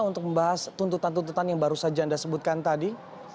untuk membahas tuntutan tuntutan yang baru saja anda sebutkan tadi